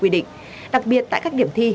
đặc biệt tại các điểm thi